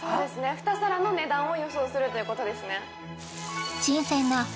２皿の値段を予想するということですね